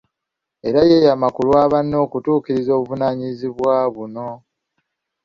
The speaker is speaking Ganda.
Era ne yeeyama ku lwa banne okutuukirizza obuvunanyizibwa buno.